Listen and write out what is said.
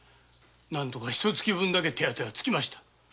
なんとかひと月分だけ手当がつきました。